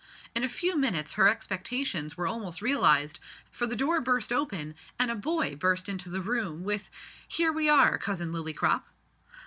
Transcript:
In a few minutes her expectations were almost realised, for the door burst open and a boy burst into the room with "Here we are, Cousin Lillycrop."